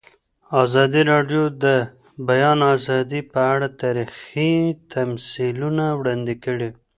ازادي راډیو د د بیان آزادي په اړه تاریخي تمثیلونه وړاندې کړي.